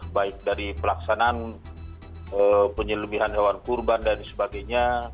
baik dari pelaksanaan penyelebihan hewan kurban dan sebagainya